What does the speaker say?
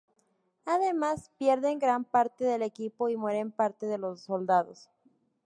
Además, pierden gran parte del equipo y mueren parte de los soldados.